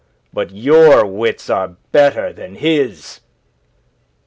But your wits are better than his.